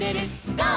「ゴー！